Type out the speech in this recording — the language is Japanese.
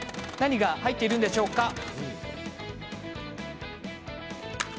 何が入っているんでしょうか。